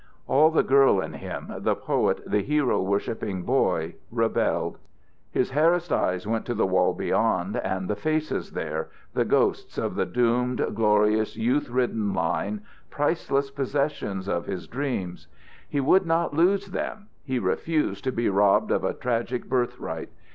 All the girl in him, the poet, the hero worshipping boy, rebelled. His harassed eyes went to the wall beyond and the faces there, the ghosts of the doomed, glorious, youth ridden line, priceless possessions of his dreams. He would not lose them: he refused to be robbed of a tragic birthright.